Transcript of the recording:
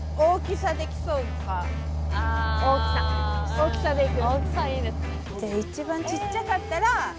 大きさでいく？